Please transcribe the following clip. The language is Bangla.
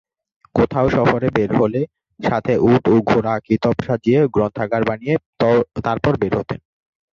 কোথাও সফরে বের হলে সাথে উট ও ঘোড়ায় কিতাব সাজিয়ে গ্রন্থাগার বানিয়ে তারপর বের হতেন।